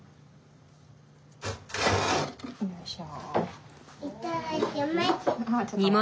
よいしょ。